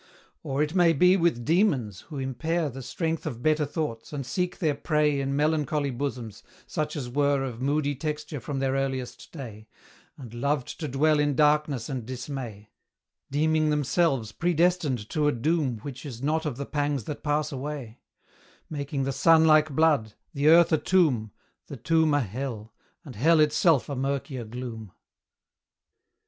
Or, it may be, with demons, who impair The strength of better thoughts, and seek their prey In melancholy bosoms, such as were Of moody texture from their earliest day, And loved to dwell in darkness and dismay, Deeming themselves predestined to a doom Which is not of the pangs that pass away; Making the sun like blood, the earth a tomb, The tomb a hell, and hell itself a murkier gloom.